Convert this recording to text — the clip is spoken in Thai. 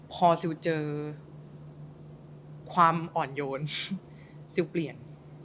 พอซิลเจอความอ่อนโยนซิลเปลี่ยน